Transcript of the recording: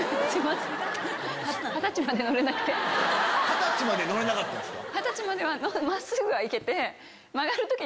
二十歳まで乗れなかったんですか。